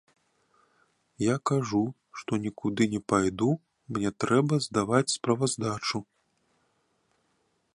Я кажу, што нікуды не пайду, мне трэба здаваць справаздачу.